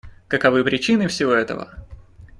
Каковы причины всего этого?